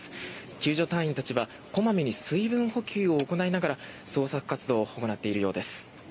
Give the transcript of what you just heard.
救助隊員たちは小まめに水分補給を行いながら捜索活動を行っているようです。